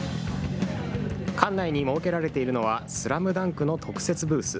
館内に設けられているのは、ＳＬＡＭＤＵＮＫの特設ブース。